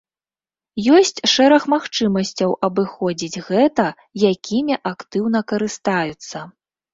Ёсць шэраг магчымасцяў абыходзіць гэта, якімі актыўна карыстаюцца.